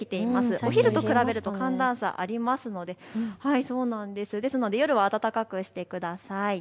お昼と比べると寒暖差ありますので夜は暖かくしてください。